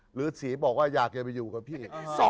หรือศรีบอกว่าอยากจะไปอยู่กับพี่อีก